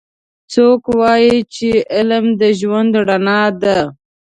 څوک وایي چې علم د ژوند رڼا ده